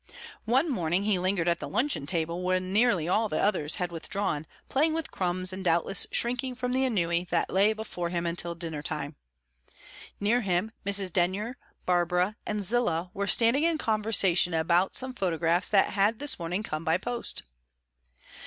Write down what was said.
One morning he lingered at the luncheon table when nearly all the others had withdrawn, playing with crumbs, and doubtless shrinking from the ennui that lay before him until dinner time. Near him, Mrs. Denyer, Barbara, and Zillah were standing in conversation about some photographs that had this morning come by post.